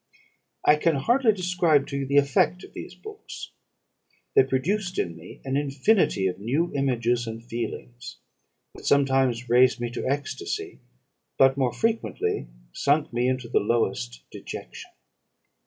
"I can hardly describe to you the effect of these books. They produced in me an infinity of new images and feelings, that sometimes raised me to ecstacy, but more frequently sunk me into the lowest dejection.